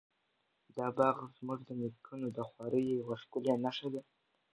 دا باغ زموږ د نیکونو د خواریو یوه ښکلې نښه ده.